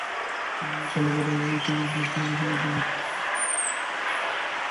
তিনি 'Calcutta Cricket Club' কমিটির সক্রিয় সদস্য ছিলেন।